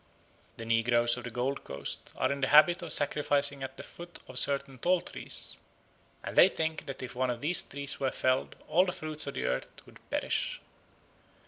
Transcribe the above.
The negroes of the Gold Coast are in the habit of sacrificing at the foot of certain tall trees, and they think that if one of these were felled all the fruits of the earth would perish.